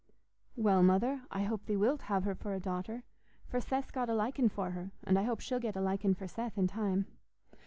"Well, Mother, I hope thee wilt have her for a daughter; for Seth's got a liking for her, and I hope she'll get a liking for Seth in time."